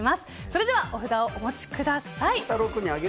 それではお札をお持ちください。